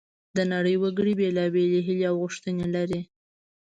د نړۍ وګړي بیلابیلې هیلې او غوښتنې لري